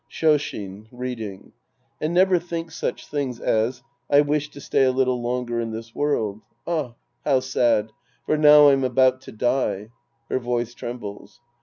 Shoshin {reading). And never think such things as, " I wish to stay a little longer in this world ; ah, how sad ! for now I'm about to die." {Her voice trembles!)